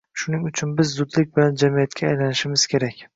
Shuning uchun biz zudlik bilan jamiyatga aylanishimiz kerak.